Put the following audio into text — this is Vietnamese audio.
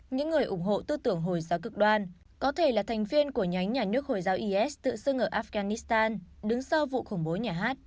những người ủng hộ tư tưởng hồi giáo cực đoan có thể là thành viên của nhánh nhà nước hồi giáo is tự xưng ở afghanistan đứng sau vụ khủng bố nhà hát